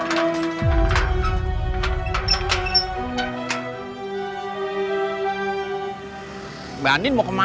mbak nin mau kemana